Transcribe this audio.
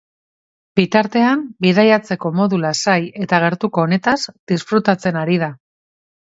Bitartean, bidaitazeko modu lasai eta gertuko honetaz disfrutatzen ari da.